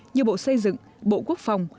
như bộ xây dựng bộ quốc phòng